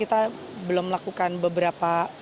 kita belum melakukan beberapa